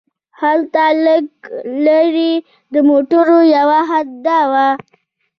هلته لږ لرې د موټرو یوه هډه وه.